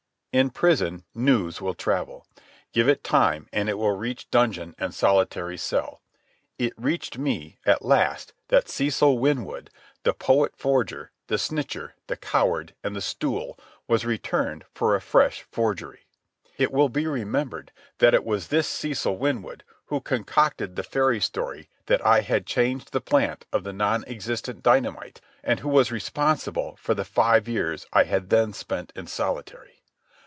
In prison, news will travel. Give it time and it will reach dungeon and solitary cell. It reached me, at last, that Cecil Winwood, the poet forger, the snitcher, the coward, and the stool, was returned for a fresh forgery. It will be remembered that it was this Cecil Winwood who concocted the fairy story that I had changed the plant of the non existent dynamite and who was responsible for the five years I had then spent in solitary.